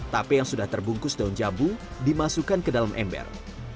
tape yang sudah terbungkus daun jambu dimasukkan ke dalam ember